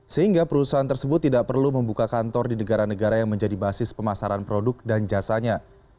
sehingga perusahaan tersebut tidak perlu membuka kantor di negara negara yang menjadi basis pemasaran produk dan jasanya